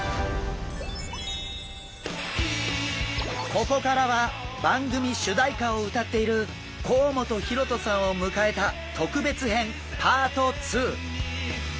ここからは番組主題歌を歌っている甲本ヒロトさんを迎えた特別編パート２！